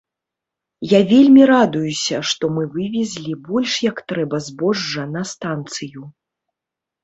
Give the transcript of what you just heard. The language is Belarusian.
Я вельмі радуюся, што мы вывезлі больш як трэба збожжа на станцыю.